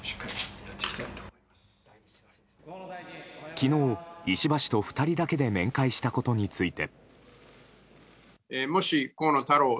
昨日、石破氏と２人だけで面会したことについて。